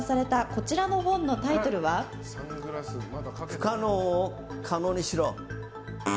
「不可能を可能にしろ」。